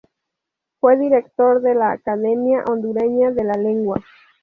Fue director de la Academia Hondureña de la Lengua.